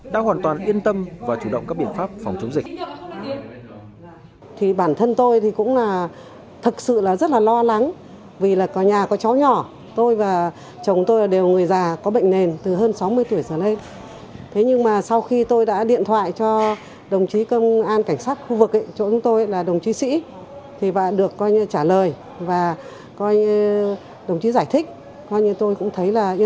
đã hoàn toàn yên tâm và chủ động các biện pháp phòng chống dịch